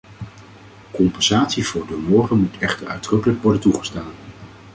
Compensatie voor donoren moet echter uitdrukkelijk worden toegestaan.